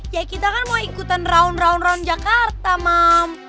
ya kita kan mau ikutan raun dround round jakarta mam